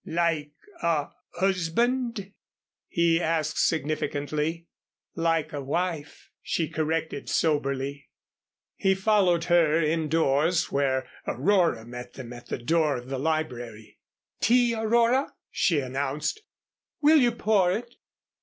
"Like a husband?" he asked, significantly. "Like a wife," she corrected, soberly. He followed her indoors, where Aurora met them at the door of the library. "Tea, Aurora," she announced. "Will you pour it?